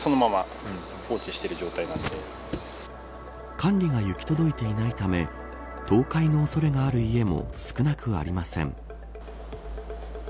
管理が行き届いていないため倒壊の恐れがある家も少なくありません。